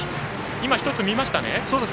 今、１つ見ましたね。